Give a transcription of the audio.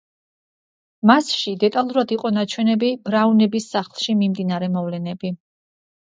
მასში დეტალურად იყო ნაჩვენები ბრაუნების სახლში მიმდინარე მოვლენები.